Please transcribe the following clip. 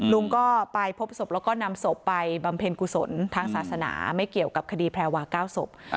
ลุงก็ไปพบศพแล้วก็นำศพไปบำเพ็ญกุศลทางศาสนาไม่เกี่ยวกับคดีแพรวา๙ศพ